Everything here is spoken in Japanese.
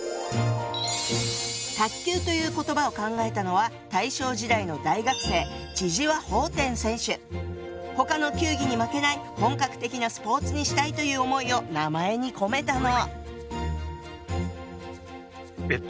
「卓球」という言葉を考えたのは大正時代の大学生他の球技に負けない本格的なスポーツにしたいという思いを名前に込めたの。